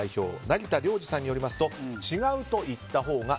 成田良爾さんによりますと違うと言ったほうが